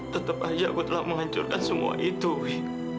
tetap aja aku telah menghancurkan semua itu wi